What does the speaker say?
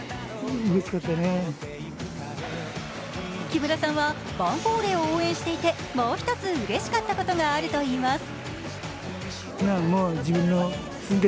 木村さんはヴァンフォーレを応援していてもう一つうれしかったことがあるといいます。